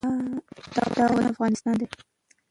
دا وطن افغانستان دی،